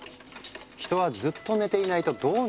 「人はずっと寝ていないとどうなるのか？」